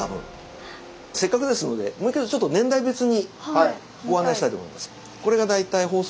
せっかくですのでもう一回年代別にご案内したいと思います。